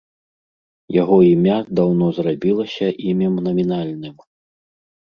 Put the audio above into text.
Яго імя даўно зрабілася імем намінальным.